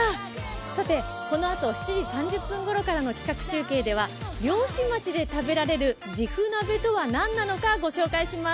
さて、このあと７時３０分ごろからの企画中継では漁師町で食べられるじふ鍋とは何なのか、お伝えします。